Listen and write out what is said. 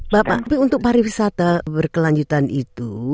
bapak tapi untuk pariwisata berkelanjutan itu